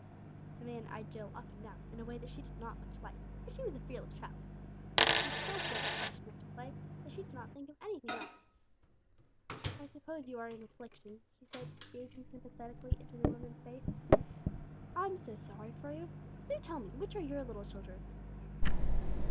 The man eyed Jill up and down in a way that she did not much like, but she was a fearless child, and was so full of the part she meant to play that she did not think of anything else. "I suppose you are in affliction," she said, gazing sympathetically into the woman's face. "I'm so sorry for you. Do tell me which are your little children."